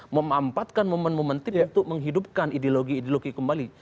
memampatkan momen momentum untuk menghidupkan ideologi ideologi kembali